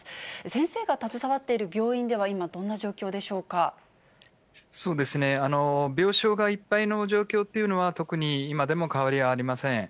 先生が携わっている病院では、そうですね、病床がいっぱいの状況っていうのは、特に今でも変わりはありません。